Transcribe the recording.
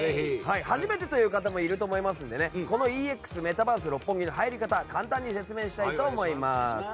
初めてという方もいると思いますのでこのＥＸメタバース六本木の入り方を簡単に説明したいと思います。